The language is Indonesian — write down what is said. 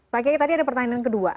pak kiai tadi ada pertanyaan kedua